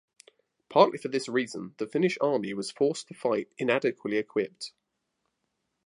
Partly for this reason the Finnish Army was forced to the fight inadequately equipped.